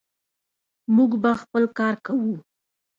موږ به خپل کار کوو.